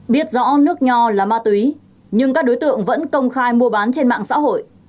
biết rõ nước nho là ma túy nhưng các đối tượng vẫn công khai mua bán trên mạng xã hội